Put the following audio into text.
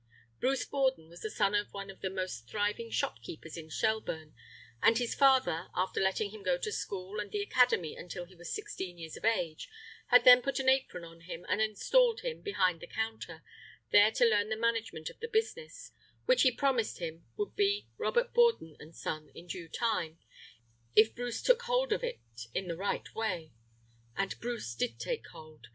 Bruce Borden was the son of one of the most thriving shopkeepers in Shelburne, and his father, after letting him go to school and the academy until he was sixteen years of age, had then put an apron on him and installed him behind the counter, there to learn the management of the business, which he promised him would be Robert Borden and Son in due time if Bruce took hold of it in the right way. And Bruce did take hold.